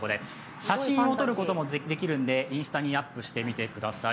写真を撮ることもできるんで、インスタにアップしてみてください。